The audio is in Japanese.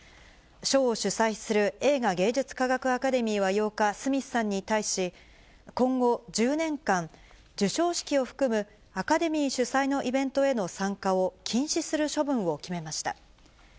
賞を主催する映画芸術科学アカデミーは８日、スミスさんに対し、今後１０年間、授賞式を含むアカデミー主催のイベントへの参加を禁止する処分を決めました。